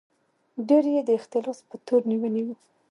ډېر یې د اختلاس په تور نیولي وو.